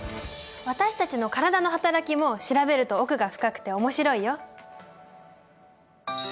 私たちの体の働きも調べると奥が深くて面白いよ。